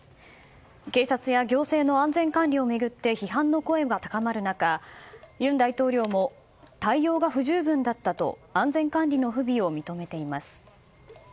警察や行政の安全管理を巡って批判の声が高まる中尹大統領も対応が不十分だったと安全管理の不備を認めています。